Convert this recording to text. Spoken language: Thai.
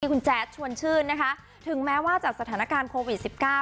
คุณแจ๊ดชวนชื่นนะคะถึงแม้ว่าจากสถานการณ์โควิด๑๙